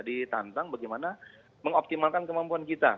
ditantang bagaimana mengoptimalkan kemampuan kita